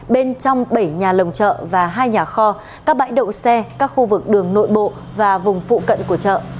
bên trong bảy nhà lồng chợ và hai nhà kho các bãi đậu xe các khu vực đường nội bộ và vùng phụ cận của chợ